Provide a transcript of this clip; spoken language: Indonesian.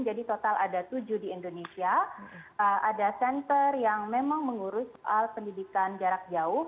total ada tujuh di indonesia ada center yang memang mengurus soal pendidikan jarak jauh